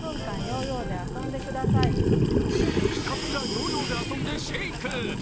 ひたすらヨーヨーで遊んでシェイク。